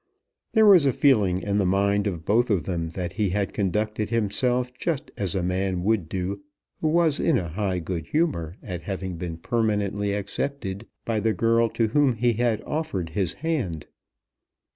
There was a feeling in the mind of both of them that he had conducted himself just as a man would do who was in a high good humour at having been permanently accepted by the girl to whom he had offered his hand.